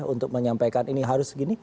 untuk menyampaikan ini harus segini